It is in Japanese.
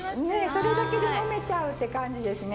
それだけで呑めちゃうって感じですね。